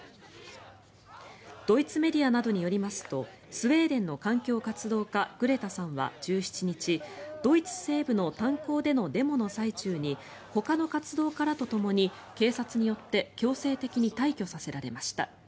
ドイツメディアなどによりますとスウェーデンの環境活動家グレタさんは１７日ドイツ西部の炭鉱でのデモの最中にほかの活動家らとともに警察によって強制的に退去させられました。